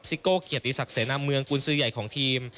โก้เกียรติศักดิเสนาเมืองกุญสือใหญ่ของทีม